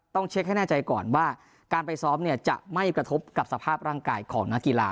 ต้องเช็คให้แน่ใจก่อนว่าการไปซ้อมเนี่ยจะไม่กระทบกับสภาพร่างกายของนักกีฬา